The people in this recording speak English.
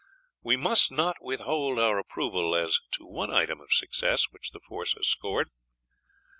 We must not withhold our approval as to one item of success which the force has scored.